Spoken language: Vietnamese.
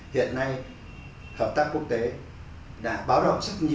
hiện nay hợp tác quốc tế đã báo động rất nhiều về vấn đề này